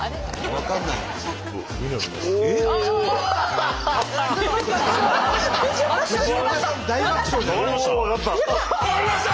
分かりました？